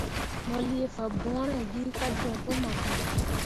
Mo lii fambõore gi kah joɲ pu makala.